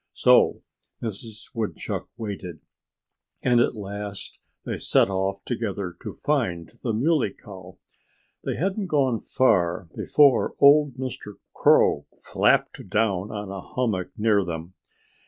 So Mrs. Woodchuck waited. And at last they set off together to find the Muley Cow. They hadn't gone far before old Mr. Crow flapped down on a hummock near them.